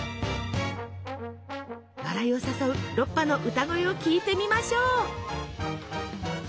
笑いを誘うロッパの歌声を聞いてみましょう。